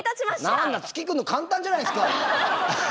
何だ月行くの簡単じゃないですか。